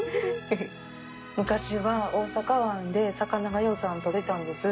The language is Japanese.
昔は大阪湾で魚がようさん取れたんです。